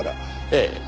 ええ。